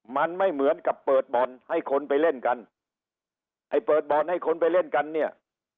มันไม่เหมือนกับเปิดบ่อนให้คนไปเล่นกันไอ้เปิดบ่อนให้คนไปเล่นกันเนี่ย